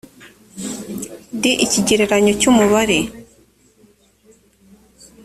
d ikigereranyo cy umubare